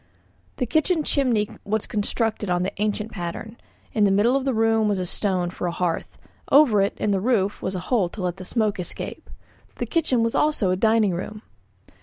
The kitchen chimney was constructed on the ancient pattern; in the middle of the room was a stone for a hearth, over it in the roof a hole to let the smoke escape. The kitchen was also a dining room.